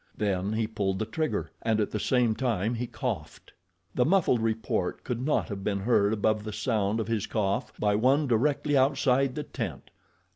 Then he pulled the trigger, and at the same time he coughed. The muffled report could not have been heard above the sound of his cough by one directly outside the tent.